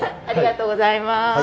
ありがとうございます。